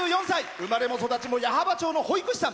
生まれも育ちも矢巾町の保育士さん。